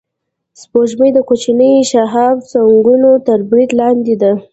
سپوږمۍ د کوچنیو شهابسنگونو تر برید لاندې ده